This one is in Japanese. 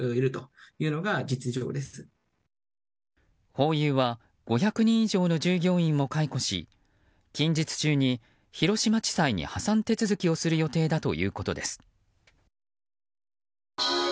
ホーユーは５００人以上の従業員を解雇し近日中に広島地裁に破産手続きをする予定だということです。